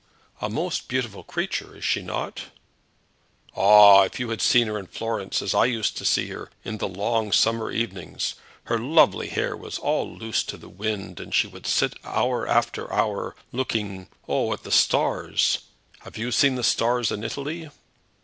"A most beautiful creature; is she not?" "Ah; if you had seen her in Florence, as I used to see her, in the long summer evenings! Her lovely hair was all loose to the wind, and she would sit hour after hour looking, oh, at the stars! Have you seen the stars in Italy?"